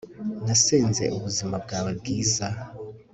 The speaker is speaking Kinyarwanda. Nasenze ubuzima bwawe bwiza